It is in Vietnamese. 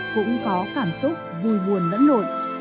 cũng có cảm xúc vui buồn lẫn nội